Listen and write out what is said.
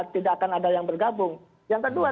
tidak akan ada yang bergabung yang kedua